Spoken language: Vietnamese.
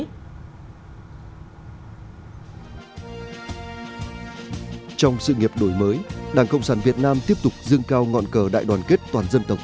trong sự nghiệp đổi mới đảng cộng sản việt nam tiếp tục dương cao ngọn cờ đại đoàn kết toàn dân tộc